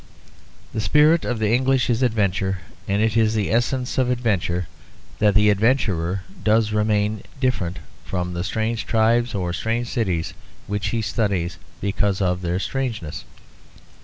The spirit of the English is adventure; and it is the essence of adventure that the adventurer does remain different from the strange tribes or strange cities, which he studies because of their strangeness.